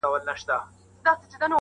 کلونه کیږي بې ځوابه یې بې سواله یې.